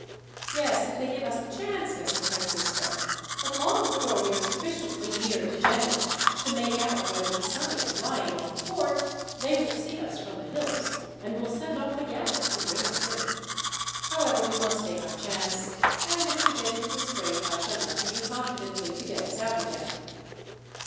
"Yes, if they give us the chance, Messer Francisco; but long before we are sufficiently near to Genoa to make out whether Pisani is lying off the port, they will see us from the hills, and will send off a galley to bring us in. However, we must take our chance, and if we get into a scrape I shall look to you confidently to get us out again."